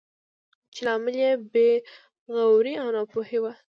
چې لامل یې بې غوري او ناپوهي وه.